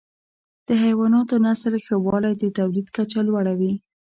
د حیواناتو نسل ښه والی د تولید کچه لوړه وي.